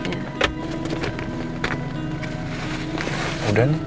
dilap dulu krimatnya